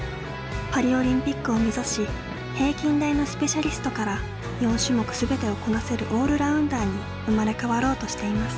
パリオリンピックを目指し平均台のスペシャリストから４種目全てをこなせるオールラウンダーに生まれ変わろうとしています。